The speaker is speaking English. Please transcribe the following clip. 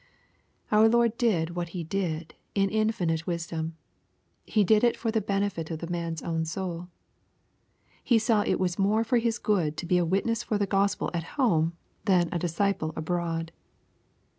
— Our Lord did what He did in infinite wisdom. He did it for the benefit of the man's own soul. He saw it was more for his good to be a witness for the Gbspel at home than a disciple abroad.